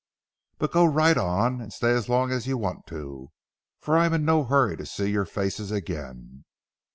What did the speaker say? But go right on, and stay as long as you want to, for I'm in no hurry to see your faces again.